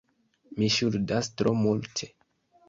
Mi ŝuldas tro multe,...